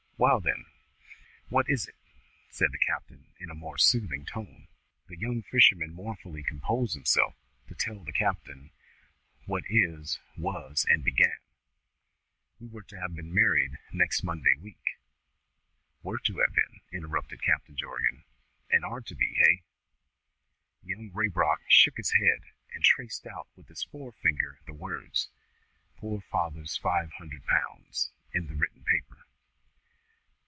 "Wa'al, then, what is it?" said the captain in a more soothing tone. The young fisherman mournfully composed himself to tell the captain what it was, and began: "We were to have been married next Monday week " "Were to have been!" interrupted Captain Jorgan. "And are to be? Hey?" Young Raybrock shook his head, and traced out with his fore finger the words, "poor father's five hundred pounds," in the written paper.